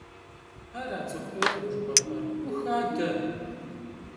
Ара цӀыху Ӏейкъым жыхуэпӀэр? Ӏух адэ!